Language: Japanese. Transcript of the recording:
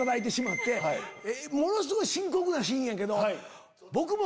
ものすごい深刻なシーンやけど。